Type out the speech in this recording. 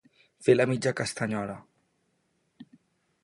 Fer la mitja castanyola.